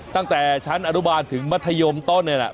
ตั้งแต่ชั้นอนุบาลถึงมัธยมต้นนี่แหละ